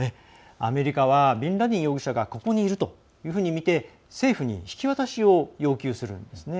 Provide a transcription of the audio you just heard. アメリカはビンラディン容疑者がここにいるというふうに見て政府に引き渡しを要求するんですね。